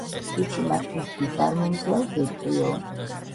თუ სიმართლისთვის არ მომკლავ, გეტყვიო.